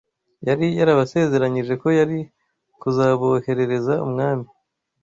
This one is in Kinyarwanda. yari yarabasezeranyije ko yari kuzaboherereza mwami